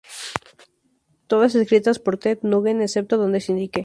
Todas escritas por Ted Nugent excepto donde se indique.